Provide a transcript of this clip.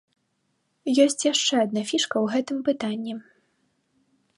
Ёсць яшчэ адна фішка ў гэтым пытанні.